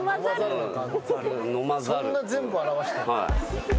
そんな全部表してる？